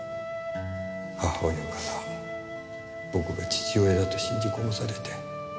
母親から僕が父親だと信じ込まされて。